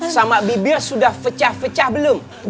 sama bibir sudah fecah fecah belum